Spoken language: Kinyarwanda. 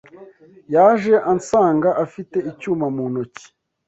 Yaje ansanga afite icyuma mu ntoki.